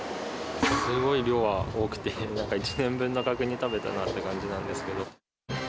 すごい量が多くて、１年分の角煮食べたなって感じなんですけど。